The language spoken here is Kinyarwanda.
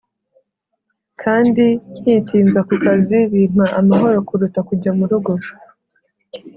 kandi nkitinza ku kazi Bimpa amahoro kuruta kujya mu rugo